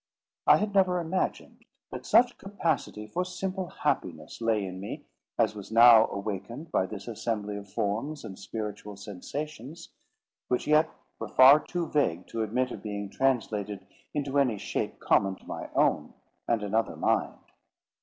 I had never imagined that such capacity for simple happiness lay in me, as was now awakened by this assembly of forms and spiritual sensations, which yet were far too vague to admit of being translated into any shape common to my own and another mind.